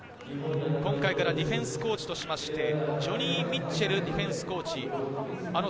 今回からディフェンスコーチとしましてジョニー・ミッチェルディフェンスコーチ。